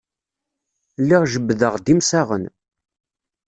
Lliɣ jebbdeɣ-d imsaɣen.